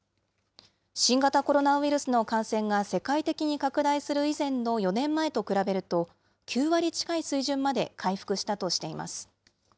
新型コロナウイルスの感染が世界的に拡大する以前の４年前と比べると、９割近い水準まで回復したとしています。